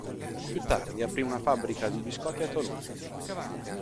Più tardi aprì una fabbrica di biscotti a Tolone.